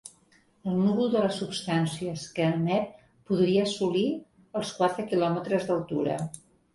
El núvol de les substàncies que emet podria assolir els quatre quilòmetres d’altura.